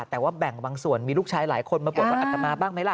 แต่ว่าแบ่งบางส่วนมีลูกชายหลายคนมาบวชวัดอัตมาบ้างไหมล่ะ